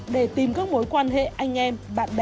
để tìm các mối quan hệ anh em